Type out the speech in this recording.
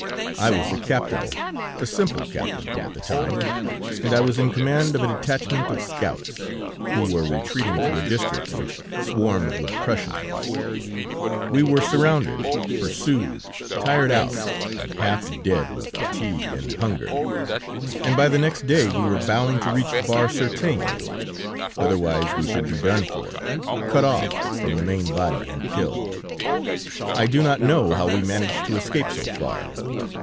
"I was a captain, a simple captain, at the time, and I was in command of a detachment of scouts, who were retreating through a district which swarmed with Prussians. We were surrounded, pursued, tired out, and half dead with fatigue and hunger, and by the next day we were bound to reach Bar sur Tain, otherwise we should be done for, cut off from the main body and killed. I do not know how we managed to escape so far.